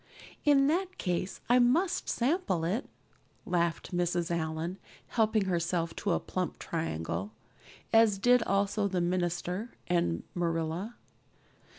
"In that case I must sample it," laughed Mrs. Allan, helping herself to a plump triangle, as did also the minister and Marilla.